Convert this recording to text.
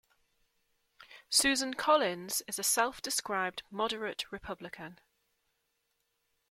Susan Collins is a self-described moderate Republican.